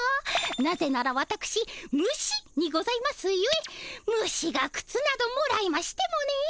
なぜならわたくし虫にございますゆえ虫がくつなどもらいましてもねえ。